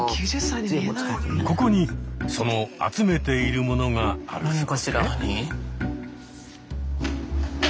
ここにその集めているものがあるそうで。